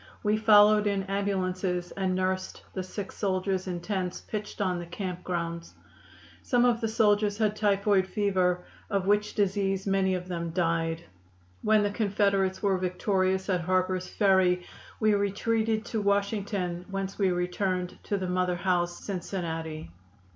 We followed in ambulances and nursed the sick soldiers in tents pitched on the camp grounds. Some of the soldiers had typhoid fever, of which disease many of them died. When the Confederates were victorious at Harper's Ferry we retreated to Washington, whence we returned to the Mother house, Cincinnati."